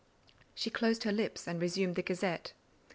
She closed her lips and resumed the Gazette.